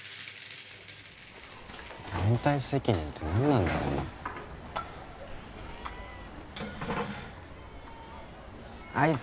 連帯責任って何なんだろうなあ